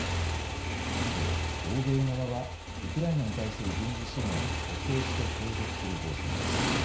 一方、欧米側はウクライナに対する軍事支援を徹底して継続する方針です。